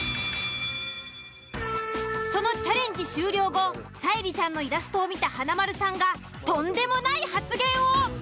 そのチャレンジ終了後沙莉ちゃんのイラストを見た華丸さんがとんでもない発言を。